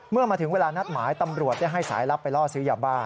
เมื่อมาถึงเวลานัดหมายตำรวจได้ให้สายลับไปล่อซื้อยาบ้า